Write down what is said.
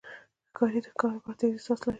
ښکاري د ښکار لپاره تیز احساس لري.